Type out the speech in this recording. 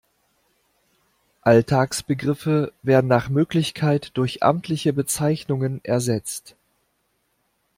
Alltagsbegriffe werden nach Möglichkeit durch amtliche Bezeichnungen ersetzt.